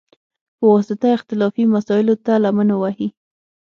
په واسطه، اختلافي مسایلوته لمن ووهي،